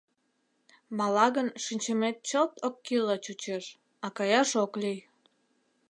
Мала гын, шинчымет чылт оккӱлла чучеш, а каяш ок лий.